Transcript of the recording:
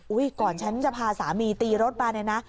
โอ๊ยก่อนฉันจะพาสามีตีรถมา